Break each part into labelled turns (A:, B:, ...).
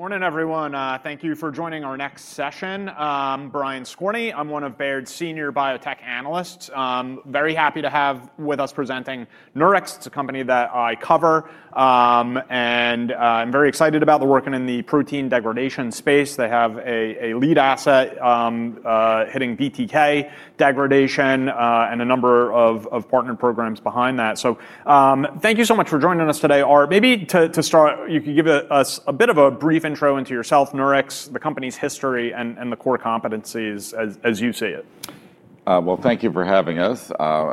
A: Morning, everyone. Thank you for joining our next session. I'm Brian Squarney. I'm one of Baird's Senior Biotech Analysts. I'm very happy to have with us presenting Nurix Therapeutics. It's a company that I cover. I'm very excited about the working in the protein degradation space. They have a lead asset hitting BTK degradation and a number of partner programs behind that. Thank you so much for joining us today. Maybe to start, you can give us a bit of a brief intro into yourself, Nurix Therapeutics, the company's history, and the core competencies as you see it.
B: Thank you for having us.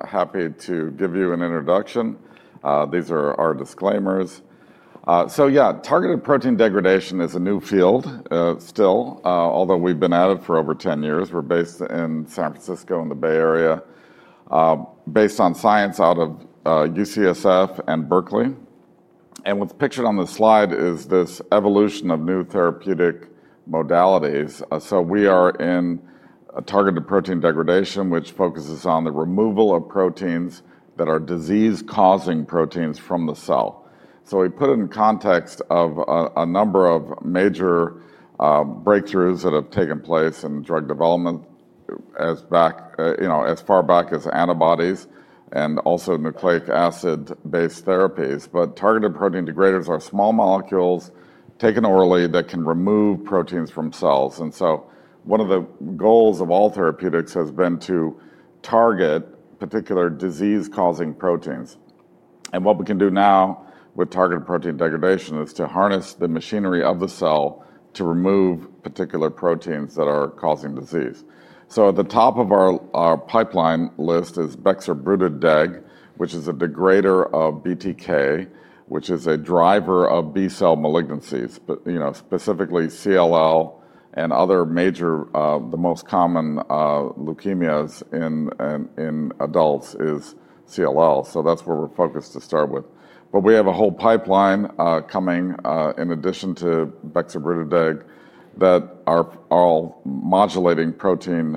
B: Happy to give you an introduction. These are our disclaimers. Targeted protein degradation is a new field still, although we've been at it for over 10 years. We're based in San Francisco in the Bay Area, based on science out of UCSF and UC Berkeley. What's pictured on the slide is this evolution of new therapeutic modalities. We are in targeted protein degradation, which focuses on the removal of proteins that are disease-causing proteins from the cell. We put it in context of a number of major breakthroughs that have taken place in drug development as far back as antibodies and also nucleic acid-based therapies. Targeted protein degraders are small molecules taken orally that can remove proteins from cells. One of the goals of all therapeutics has been to target particular disease-causing proteins. What we can do now with targeted protein degradation is to harness the machinery of the cell to remove particular proteins that are causing disease. At the top of our pipeline list is Bexobrutideg, which is a degrader of BTK, which is a driver of B-cell malignancies, specifically CLL and other major, the most common leukemias in adults is CLL. That's where we're focused to start with. We have a whole pipeline coming in addition to Bexobrutideg that are all modulating protein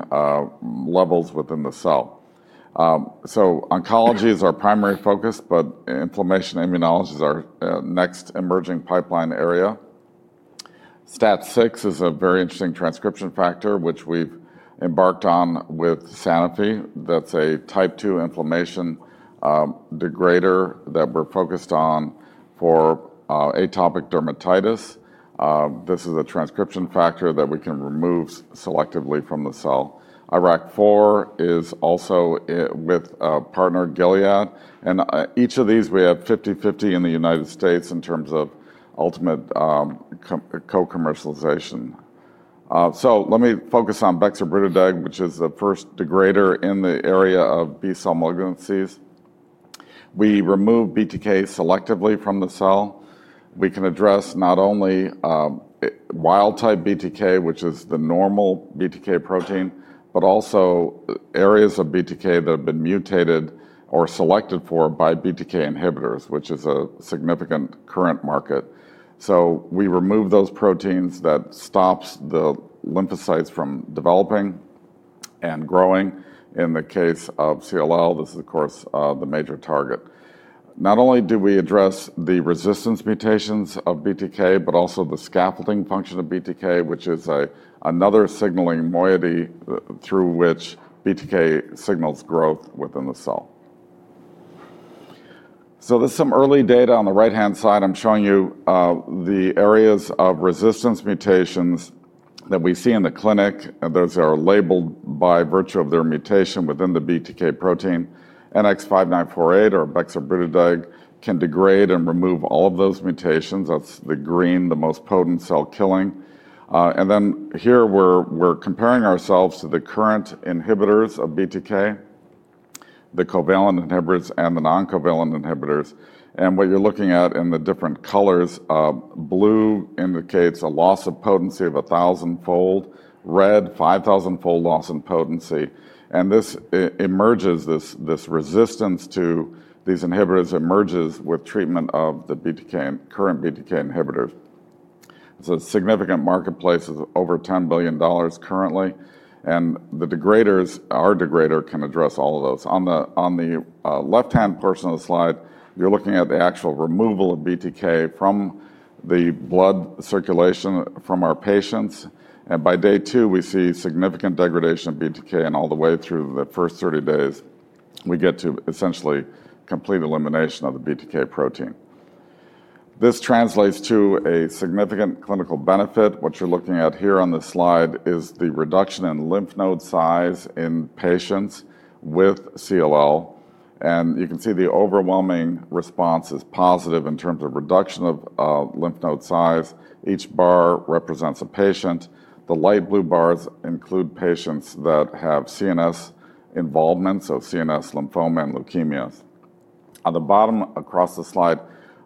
B: levels within the cell. Oncology is our primary focus, but inflammation immunology is our next emerging pipeline area. STAT6 is a very interesting transcription factor, which we've embarked on with Sanofi S.A. That's a type 2 inflammation degrader that we're focused on for atopic dermatitis. This is a transcription factor that we can remove selectively from the cell. IRAK4 is also with a partner, Gilead Sciences. Each of these, we have 50/50 in the United States in terms of ultimate co-commercialization. Let me focus on Bexobrutideg, which is the first degrader in the area of B-cell malignancies. We remove BTK selectively from the cell. We can address not only wild-type BTK, which is the normal BTK protein, but also areas of BTK that have been mutated or selected for by BTK inhibitors, which is a significant current market. We remove those proteins that stop the lymphocytes from developing and growing. In the case of CLL, this is, of course, the major target. Not only do we address the resistance mutations of BTK, but also the scaffolding function of BTK, which is another signaling moiety through which BTK signals growth within the cell. There is some early data on the right-hand side. I'm showing you the areas of resistance mutations that we see in the clinic. Those are labeled by virtue of their mutation within the BTK protein. Bexobrutideg (NX-5948) can degrade and remove all of those mutations. That's the green, the most potent cell killing. Here, we're comparing ourselves to the current inhibitors of BTK, the covalent inhibitors and the non-covalent inhibitors. What you're looking at in the different colors, blue indicates a loss of potency of 1,000-fold, red, 5,000-fold loss in potency. This resistance to these inhibitors emerges with treatment of the current BTK inhibitors. The significant marketplace is over $10 billion currently. The degraders, our degrader, can address all of those. On the left-hand portion of the slide, you're looking at the actual removal of BTK from the blood circulation from our patients. By day two, we see significant degradation of BTK, and all the way through the first 30 days, we get to essentially complete elimination of the BTK protein. This translates to a significant clinical benefit. What you're looking at here on this slide is the reduction in lymph node size in patients with CLL. You can see the overwhelming response is positive in terms of reduction of lymph node size. Each bar represents a patient. The light blue bars include patients that have CNS involvement, so CNS lymphoma and leukemias. On the bottom across the slide,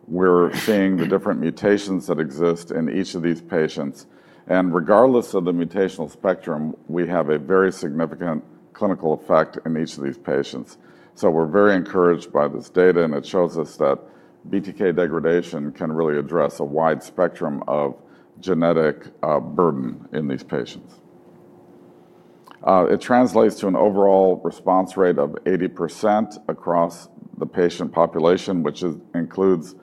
B: we're seeing the different mutations that exist in each of these patients. Regardless of the mutational spectrum, we have a very significant clinical effect in each of these patients. We are very encouraged by this data, and it shows us that BTK degradation can really address a wide spectrum of genetic burden in these patients. It translates to an overall response rate of 80% across the patient population, which includes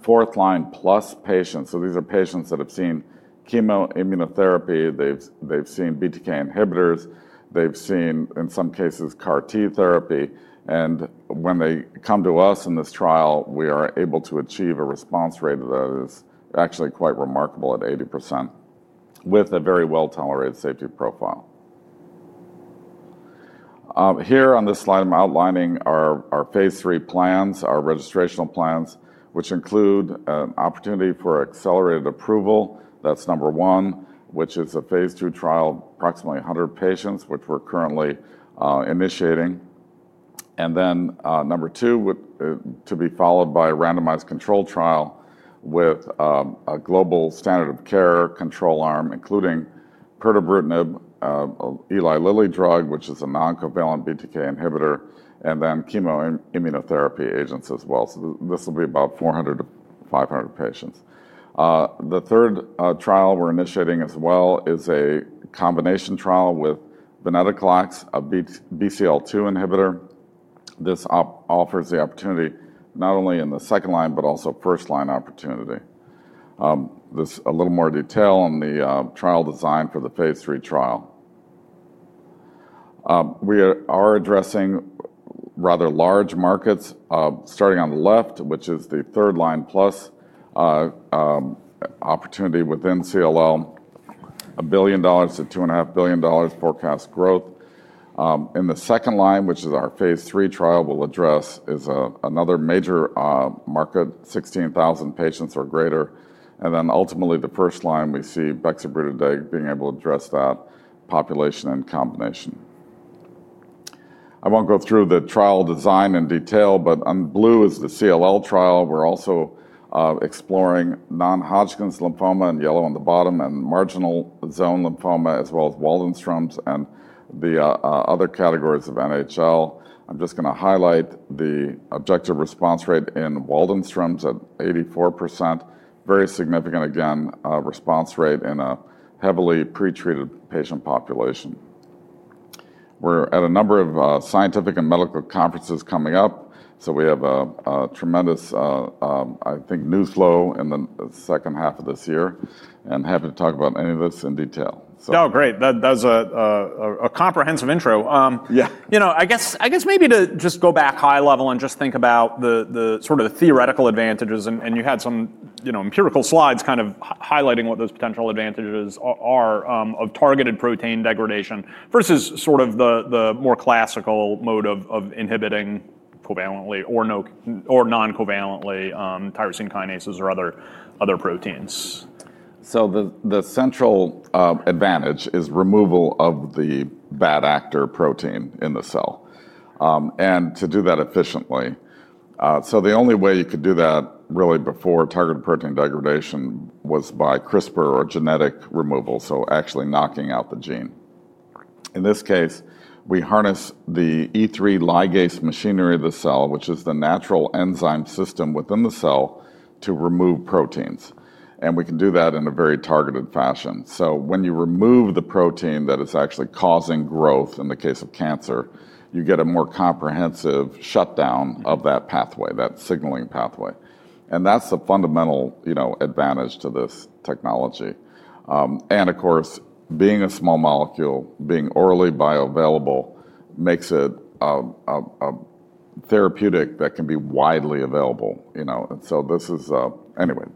B: fourth-line plus patients. These are patients that have seen chemoimmunotherapy, they've seen BTK inhibitors, they've seen, in some cases, CAR-T therapy, and when they come to us in this trial, we are able to achieve a response rate that is actually quite remarkable at 80% with a very well-tolerated safety profile. Here on this slide, I'm outlining our phase three plans, our registrational plans, which include an opportunity for accelerated approval. That's number one, which is a phase two trial, approximately 100 patients, which we're currently initiating. Number two, to be followed by a randomized control trial with a global standard of care control arm, including pertubrutinib, Eli Lilly drug, which is a non-covalent BTK inhibitor, and then chemoimmunotherapy agents as well. This will be about 400 to 500 patients. The third trial we're initiating as well is a combination trial with venetoclax, a BCL2 inhibitor. This offers the opportunity not only in the second line, but also first-line opportunity. There's a little more detail on the trial design for the phase three trial. We are addressing rather large markets, starting on the left, which is the third-line plus opportunity within CLL, $1 billion to $2.5 billion forecast growth. In the second line, which is our phase three trial we'll address, is another major market, 16,000 patients or greater. Ultimately, the first line, we see Bexobrutideg being able to address that population and combination. I won't go through the trial design in detail. On blue is the CLL trial. We're also exploring non-Hodgkin's lymphoma, in yellow on the bottom, and marginal zone lymphoma, as well as Waldenstrom's and the other categories of NHL. I'm just going to highlight the objective response rate in Waldenstrom's at 84%, very significant, again, response rate in a heavily pretreated patient population. We're at a number of scientific and medical conferences coming up. We have a tremendous, I think, news flow in the second half of this year. Happy to talk about any of this in detail.
A: Oh, great. That was a comprehensive intro.
B: Yeah.
A: Maybe to just go back high level and just think about the sort of theoretical advantages. You had some empirical slides highlighting what those potential advantages are of targeted protein degradation versus the more classical mode of inhibiting covalently or non-covalently tyrosine kinases or other proteins.
B: The central advantage is removal of the bad actor protein in the cell and to do that efficiently. The only way you could do that really before targeted protein degradation was by CRISPR or genetic removal, so actually knocking out the gene. In this case, we harness the E3 ligase machinery of the cell, which is the natural enzyme system within the cell, to remove proteins. We can do that in a very targeted fashion. When you remove the protein that is actually causing growth, in the case of cancer, you get a more comprehensive shutdown of that pathway, that signaling pathway. That's the fundamental advantage to this technology. Of course, being a small molecule, being orally bioavailable, makes it a therapeutic that can be widely available.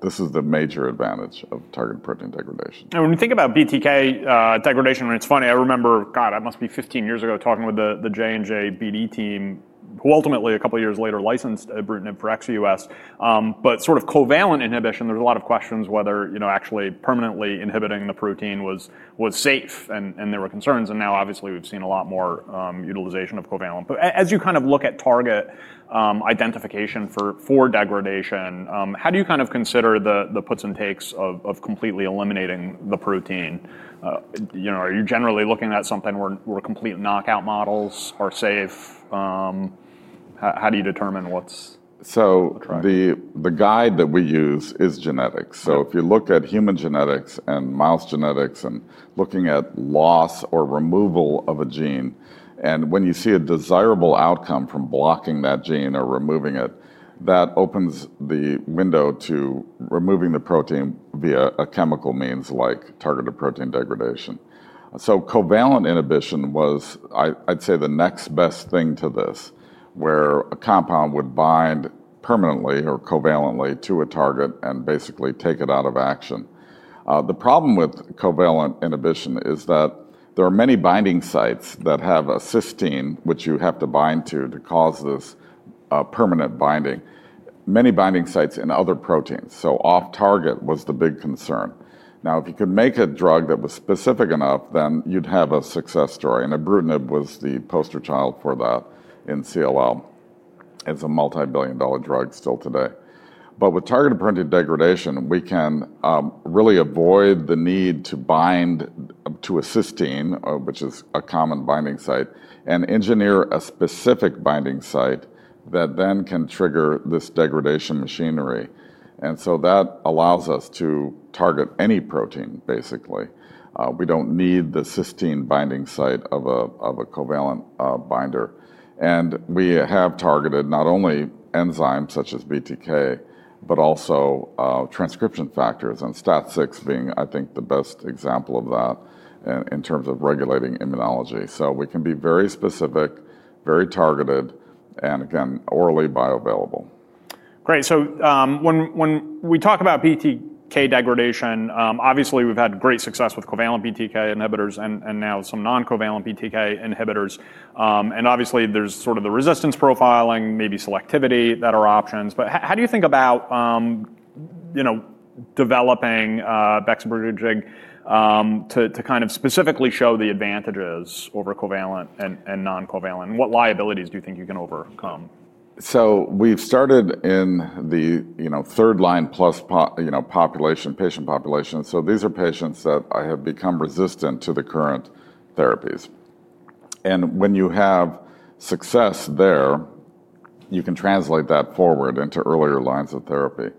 B: This is the major advantage of targeted protein degradation.
A: When you think about BTK degradation, it's funny. I remember, that must be 15 years ago, talking with the J&J BD team, who ultimately, a couple of years later, licensed ibrutinib for ex-U.S. Covalent inhibition, there were a lot of questions whether actually permanently inhibiting the protein was safe. There were concerns. Now, obviously, we've seen a lot more utilization of covalent. As you look at target identification for degradation, how do you consider the puts and takes of completely eliminating the protein? Are you generally looking at something where complete knockout models are safe? How do you determine what's trying?
B: The guide that we use is genetics. If you look at human genetics and mouse genetics and look at loss or removal of a gene, and when you see a desirable outcome from blocking that gene or removing it, that opens the window to removing the protein via a chemical means like targeted protein degradation. Covalent inhibition was, I'd say, the next best thing to this, where a compound would bind permanently or covalently to a target and basically take it out of action. The problem with covalent inhibition is that there are many binding sites that have a cysteine, which you have to bind to to cause this permanent binding, many binding sites in other proteins. Off-target was the big concern. If you could make a drug that was specific enough, then you'd have a success story. Ibrutinib was the poster child for that in chronic lymphocytic leukemia (CLL). It's a multi-billion dollar drug still today. With targeted protein degradation, we can really avoid the need to bind to a cysteine, which is a common binding site, and engineer a specific binding site that then can trigger this degradation machinery. That allows us to target any protein, basically. We don't need the cysteine binding site of a covalent binder. We have targeted not only enzymes such as BTK, but also transcription factors, and STAT6 being, I think, the best example of that in terms of regulating immunology. We can be very specific, very targeted, and again, orally bioavailable.
A: Great. When we talk about BTK degradation, obviously, we've had great success with covalent BTK inhibitors and now some non-covalent BTK inhibitors. There's sort of the resistance profiling, maybe selectivity that are options. How do you think about developing Bexobrutideg to kind of specifically show the advantages over covalent and non-covalent? What liabilities do you think you can overcome?
B: We started in the third-line plus patient population. These are patients that have become resistant to the current therapies. When you have success there, you can translate that forward into earlier lines of therapy,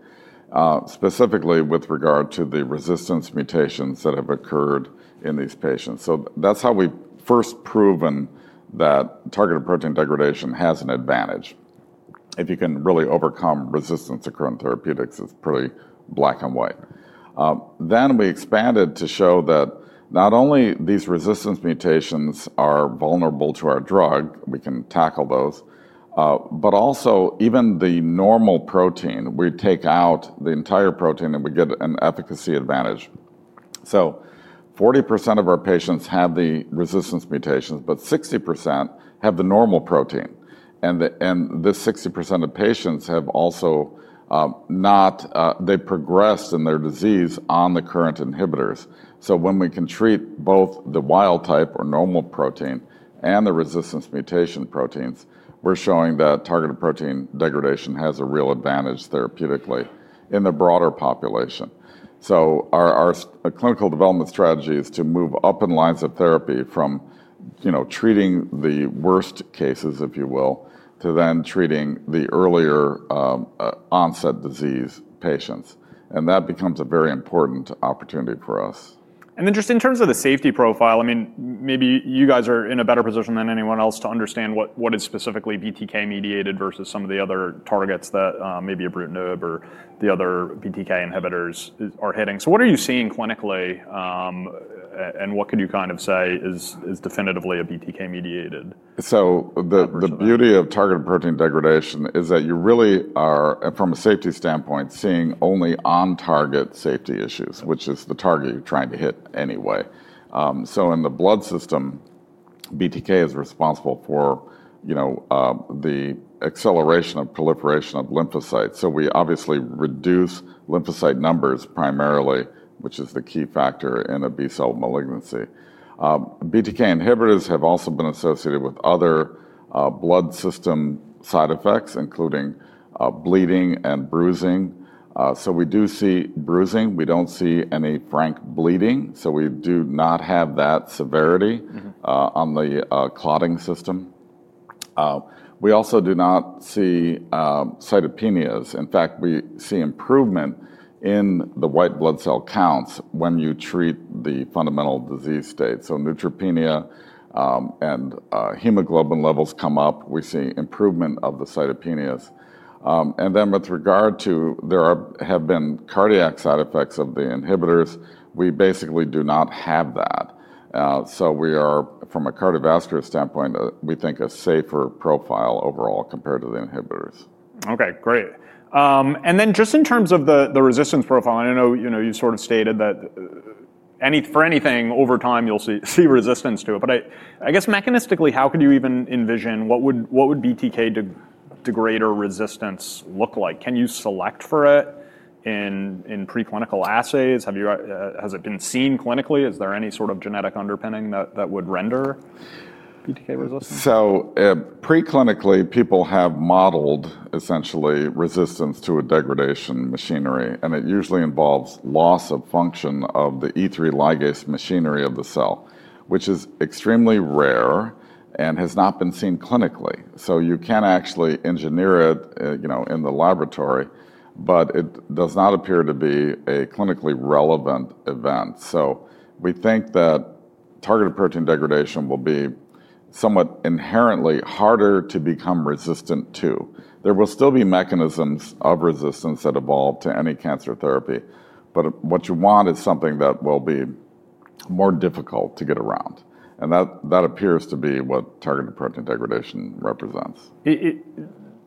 B: specifically with regard to the resistance mutations that have occurred in these patients. That is how we first proven that targeted protein degradation has an advantage. If you can really overcome resistance to current therapeutics, it's pretty black and white. We expanded to show that not only these resistance mutations are vulnerable to our drug, we can tackle those, but also even the normal protein. We take out the entire protein and we get an efficacy advantage. 40% of our patients have the resistance mutations, but 60% have the normal protein. This 60% of patients have also not, they've progressed in their disease on the current inhibitors. When we can treat both the wild type or normal protein and the resistance mutation proteins, we're showing that targeted protein degradation has a real advantage therapeutically in the broader population. Our clinical development strategy is to move up in lines of therapy from treating the worst cases, if you will, to then treating the earlier onset disease patients. That becomes a very important opportunity for us.
A: In terms of the safety profile, I mean, maybe you guys are in a better position than anyone else to understand what is specifically BTK-mediated versus some of the other targets that maybe ibrutinib or the other BTK inhibitors are hitting. What are you seeing clinically? What could you kind of say is definitively a BTK-mediated?
B: The beauty of targeted protein degradation is that you really are, from a safety standpoint, seeing only on-target safety issues, which is the target you're trying to hit anyway. In the blood system, BTK is responsible for the acceleration of proliferation of lymphocytes. We obviously reduce lymphocyte numbers primarily, which is the key factor in a B-cell malignancy. BTK inhibitors have also been associated with other blood system side effects, including bleeding and bruising. We do see bruising. We don't see any frank bleeding. We do not have that severity on the clotting system. We also do not see cytopenias. In fact, we see improvement in the white blood cell counts when you treat the fundamental disease state. Neutropenia and hemoglobin levels come up. We see improvement of the cytopenias. With regard to cardiac side effects of the inhibitors, we basically do not have that. From a cardiovascular standpoint, we think a safer profile overall compared to the inhibitors.
A: OK, great. In terms of the resistance profile, I know you sort of stated that for anything over time, you'll see resistance to it. I guess mechanistically, how could you even envision what would BTK degrader resistance look like? Can you select for it in preclinical assays? Has it been seen clinically? Is there any sort of genetic underpinning that would render BTK resistance?
B: Preclinically, people have modeled essentially resistance to a degradation machinery. It usually involves loss of function of the E3 ligase machinery of the cell, which is extremely rare and has not been seen clinically. You can actually engineer it in the laboratory, but it does not appear to be a clinically relevant event. We think that targeted protein degradation will be somewhat inherently harder to become resistant to. There will still be mechanisms of resistance that evolve to any cancer therapy. What you want is something that will be more difficult to get around, and that appears to be what targeted protein degradation represents.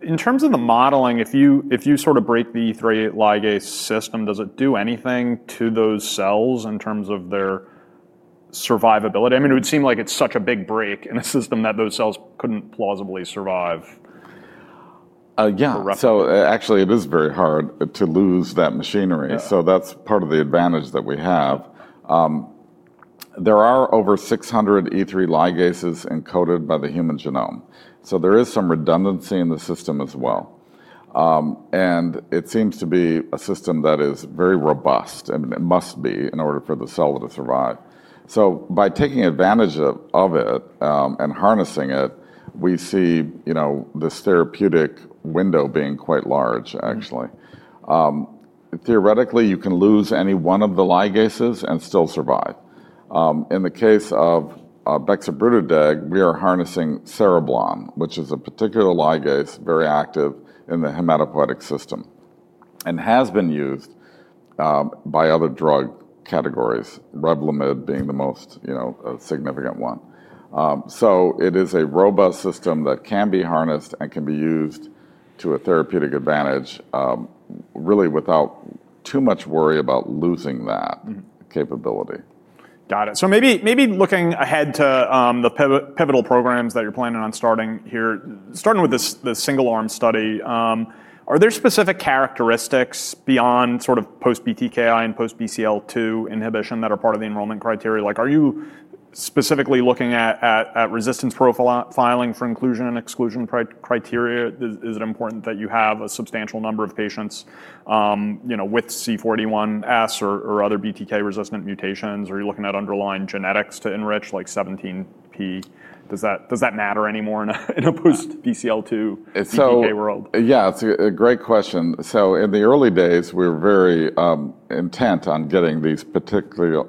A: In terms of the modeling, if you sort of break the E3 ligase system, does it do anything to those cells in terms of their survivability? I mean, it would seem like it's such a big break in a system that those cells couldn't plausibly survive.
B: Yeah. Actually, it is very hard to lose that machinery. That's part of the advantage that we have. There are over 600 E3 ligases encoded by the human genome. There is some redundancy in the system as well. It seems to be a system that is very robust. It must be in order for the cell to survive. By taking advantage of it and harnessing it, we see this therapeutic window being quite large, actually. Theoretically, you can lose any one of the ligases and still survive. In the case of Bexobrutideg, we are harnessing cereblon, which is a particular ligase, very active in the hematopoietic system, and has been used by other drug categories, Revlimid being the most significant one. It is a robust system that can be harnessed and can be used to a therapeutic advantage, really without too much worry about losing that capability.
A: Got it. Maybe looking ahead to the pivotal programs that you're planning on starting here, starting with the single-arm study, are there specific characteristics beyond sort of post-BTKI and post-BCL2 inhibition that are part of the enrollment criteria? Like, are you specifically looking at resistance profiling for inclusion and exclusion criteria? Is it important that you have a substantial number of patients with C481S or other BTK resistant mutations? Are you looking at underlying genetics to enrich, like 17p? Does that matter anymore in a post-BCL2 BTK world?
B: Yeah, it's a great question. In the early days, we were very intent on getting these particular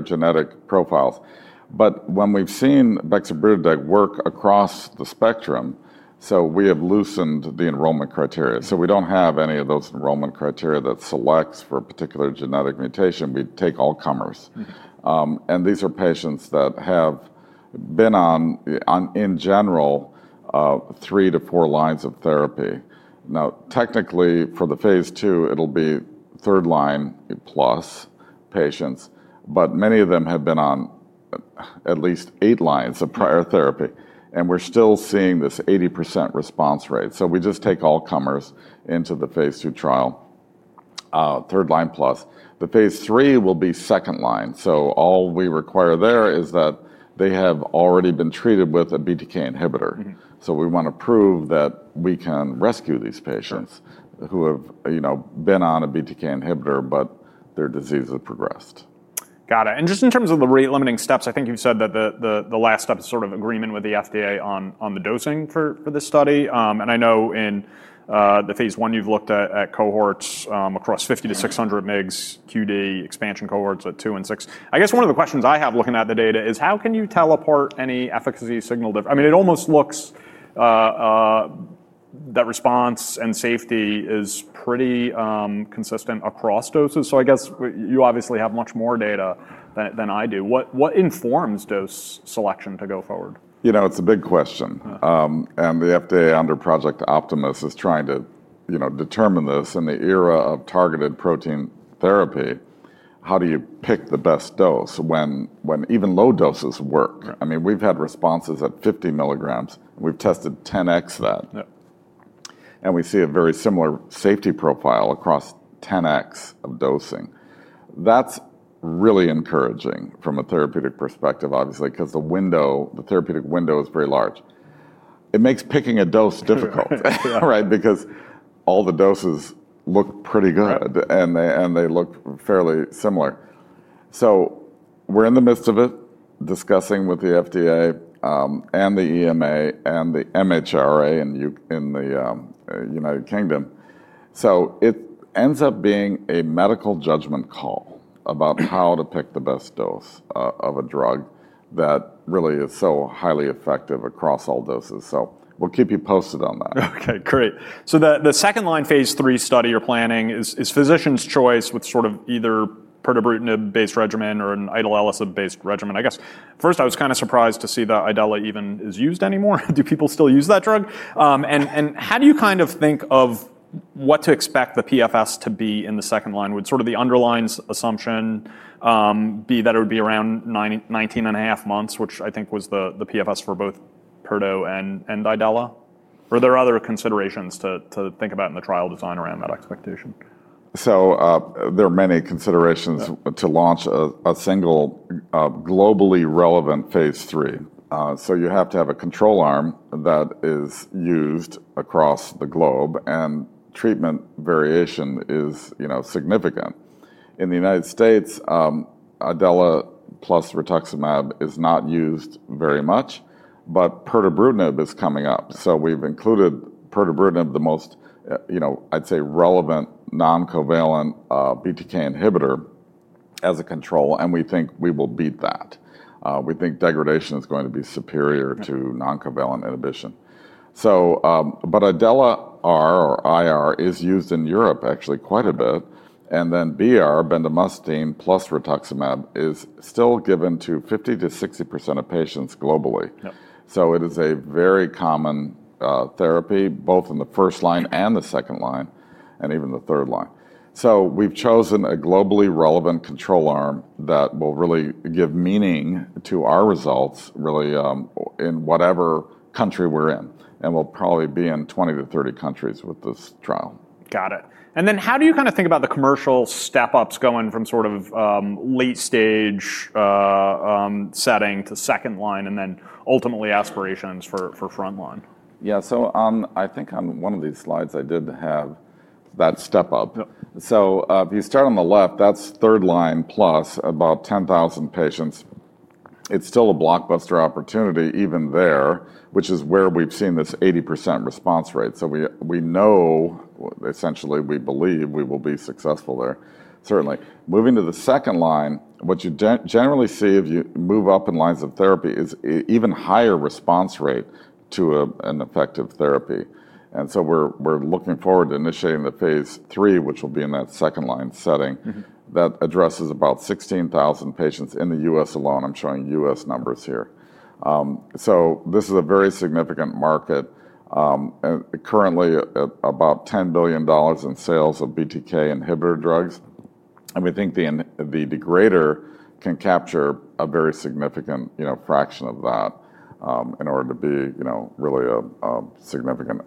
B: genetic profiles. When we've seen Bexobrutideg work across the spectrum, we have loosened the enrollment criteria. We don't have any of those enrollment criteria that selects for a particular genetic mutation. We take all comers. These are patients that have been on, in general, three to four lines of therapy. Technically, for the phase two, it'll be third-line plus patients. Many of them have been on at least eight lines of prior therapy, and we're still seeing this 80% response rate. We just take all comers into the phase two trial, third-line plus. The phase three will be second line. All we require there is that they have already been treated with a BTK inhibitor. We want to prove that we can rescue these patients who have been on a BTK inhibitor, but their disease has progressed.
A: Got it. In terms of the rate limiting steps, I think you've said that the last step is sort of agreement with the FDA on the dosing for this study. I know in the phase one, you've looked at cohorts across 50 to 600 mg QD, expansion cohorts at 2 and 6. I guess one of the questions I have looking at the data is how can you tell apart any efficacy signal difference? It almost looks that response and safety is pretty consistent across doses. I guess you obviously have much more data than I do. What informs dose selection to go forward?
B: You know. It's a big question. The FDA under Project Optimus is trying to determine this. In the era of targeted protein therapy, how do you pick the best dose when even low doses work? We've had responses at 50 milligrams. We've tested 10x that, and we see a very similar safety profile across 10x of dosing. That's really encouraging from a therapeutic perspective, obviously, because the therapeutic window is very large. It makes picking a dose difficult, right, because all the doses look pretty good and they look fairly similar. We're in the midst of it, discussing with the FDA, the EMA, and the MHRA in the United Kingdom. It ends up being a medical judgment call about how to pick the best dose of a drug that really is so highly effective across all doses. We'll keep you posted on that.
A: OK, great. The second line phase three study you're planning is physician’s choice with either a pertubrutinib-based regimen or an idelalisib-based regimen. I was kind of surprised to see that idelalisib even is used anymore. Do people still use that drug? How do you think of what to expect the PFS to be in the second line? Would the underlying assumption be that it would be around 19.5 months, which I think was the PFS for both perto and idelalisib? Were there other considerations to think about in the trial design around that expectation?
B: There are many considerations to launch a single globally relevant phase three. You have to have a control arm that is used across the globe, and treatment variation is significant. In the United States, idelalisib plus rituximab is not used very much. Pertubrutinib is coming up, so we've included pertubrutinib, the most, I'd say, relevant non-covalent BTK inhibitor as a control. We think we will beat that. We think degradation is going to be superior to non-covalent inhibition. Idelalisib R or IR is used in Europe, actually, quite a bit. BR, bendamustine plus rituximab, is still given to 50% to 60% of patients globally. It is a very common therapy, both in the first line and the second line and even the third line. We've chosen a globally relevant control arm that will really give meaning to our results, really, in whatever country we're in. We'll probably be in 20 to 30 countries with this trial.
A: Got it. How do you kind of think about the commercial step-ups going from sort of late-stage setting to second line, and then ultimately aspirations for front line?
B: Yeah, so I think on one of these slides, I did have that step-up. If you start on the left, that's third line plus, about 10,000 patients. It's still a blockbuster opportunity even there, which is where we've seen this 80% response rate. We know, essentially, we believe we will be successful there, certainly. Moving to the second line, what you generally see if you move up in lines of therapy is an even higher response rate to an effective therapy. We're looking forward to initiating the phase three, which will be in that second line setting that addresses about 16,000 patients in the U.S. alone. I'm showing U.S. numbers here. This is a very significant market, currently about $10 billion in sales of BTK inhibitor drugs. We think the degrader can capture a very significant fraction of that in order to be really a significant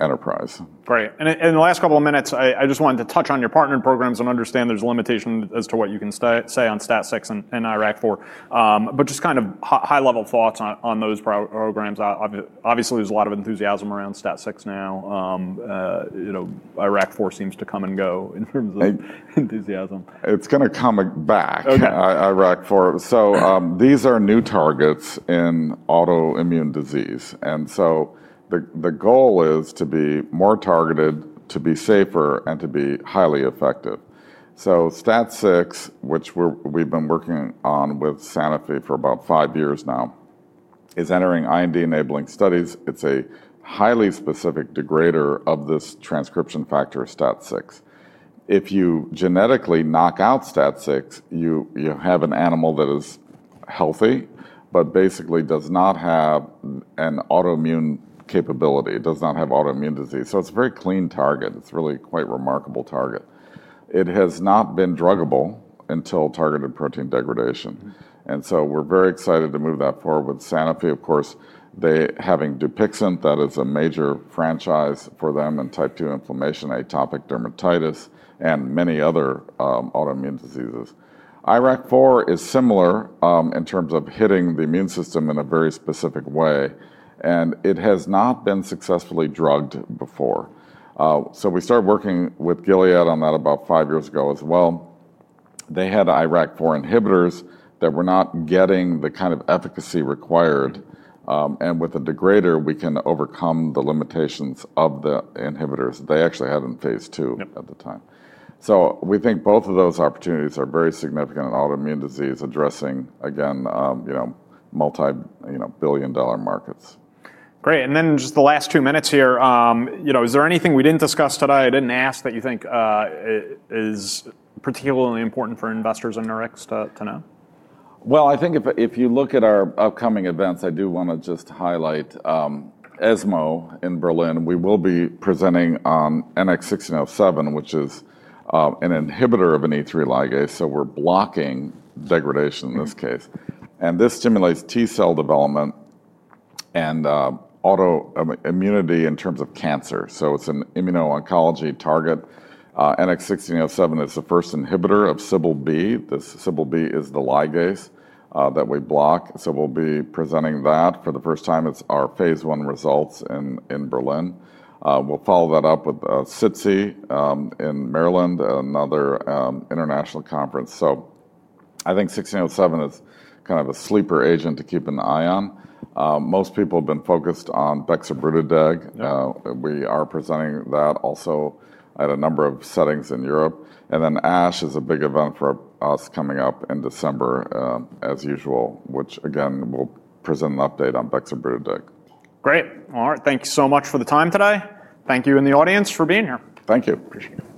B: enterprise.
A: Great. In the last couple of minutes, I just wanted to touch on your partner programs and understand there's a limitation as to what you can say on STAT6 and IRAK4. Just kind of high-level thoughts on those programs. Obviously, there's a lot of enthusiasm around STAT6 now. IRAK4 seems to come and go in terms of enthusiasm.
B: It's going to come back, IRAK4. These are new targets in autoimmune disease. The goal is to be more targeted, to be safer, and to be highly effective. STAT6, which we've been working on with Sanofi S.A. for about five years now, is entering IND-enabling studies. It's a highly specific degrader of this transcription factor, STAT6. If you genetically knock out STAT6, you have an animal that is healthy but basically does not have an autoimmune capability, does not have autoimmune disease. It's a very clean target. It's really quite a remarkable target. It has not been druggable until targeted protein degradation. We're very excited to move that forward with Sanofi S.A. Of course, they're having Dupixent. That is a major franchise for them in type 2 inflammation, atopic dermatitis, and many other autoimmune diseases. IRAK4 is similar in terms of hitting the immune system in a very specific way. It has not been successfully drugged before. We started working with Gilead Sciences on that about five years ago as well. They had IRAK4 inhibitors that were not getting the kind of efficacy required. With a degrader, we can overcome the limitations of the inhibitors they actually had in phase two at the time. We think both of those opportunities are very significant in autoimmune disease, addressing, again, multi-billion dollar markets.
A: Great. In the last two minutes here, is there anything we didn't discuss today I didn't ask that you think is particularly important for investors in Nurix to know?
B: If you look at our upcoming events, I do want to just highlight ESMO in Berlin. We will be presenting on NX-1607, which is an inhibitor of an E3 ligase. We're blocking degradation in this case, and this stimulates T cell development and autoimmunity in terms of cancer. It's an immuno-oncology target. NX-1607 is the first inhibitor of SIBLB. This SIBLB is the ligase that we block. We'll be presenting that for the first time. It's our phase one results in Berlin. We'll follow that up with CITSI in Maryland, another international conference. I think 1607 is kind of a sleeper agent to keep an eye on. Most people have been focused on Bexobrutideg. We are presenting that also at a number of settings in Europe. ASH is a big event for us coming up in December, as usual, which again, we'll present an update on Bexobrutideg.
A: Great. Art, thank you so much for the time today. Thank you in the audience for being here.
B: Thank you.
A: Appreciate it.